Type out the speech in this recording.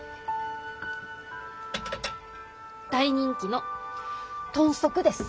大人気の豚足です。